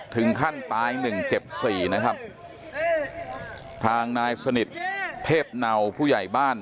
ถึงขั้นตายหนึ่งเจ็บสี่นะครับทางนายสนิทเทพเนาผู้ใหญ่บ้าน